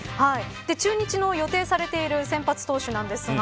中日の予定されている先発投手なんですが